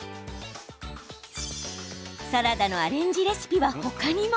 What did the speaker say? サラダのアレンジレシピは他にも。